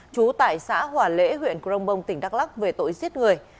chú tại xã hỏa lễ huyện crong bông tỉnh đắk lắc về tội giết người